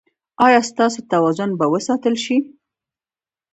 ایا ستاسو توازن به وساتل شي؟